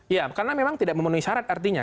ya karena memang tidak memenuhi syarat artinya